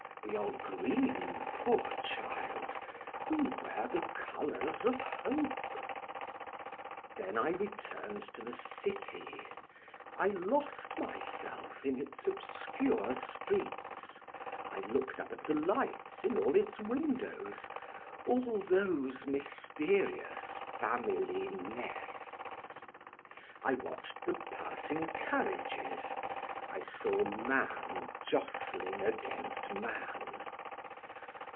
We are green, poor child, we wear the colors of hope." Then I returned to the city; I lost myself in its obscure streets; I looked up at the lights in all its windows, all those mysterious family nests; I watched the passing carriages; I saw man jostling against man.